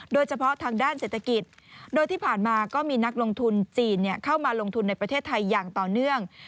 โดยเฉพาะทางด้านเศรษฐกิจโดยที่ผ่านมาก็มีนักลงทุนจีนเข้ามาลงทุนในประเทศไทยอย่างต่อเนื่อง